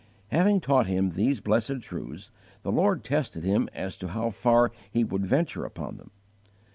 Having taught him these blessed truths, the Lord tested him as to how far he would venture upon them.